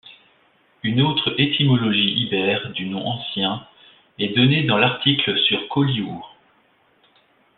Une autre étymologie ibère du nom ancien est donnée dans l'article sur Collioure.